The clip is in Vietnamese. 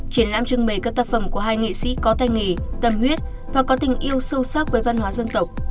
triển lãm trưng bày các tác phẩm của hai nghệ sĩ có tay nghề tâm huyết và có tình yêu sâu sắc với văn hóa dân tộc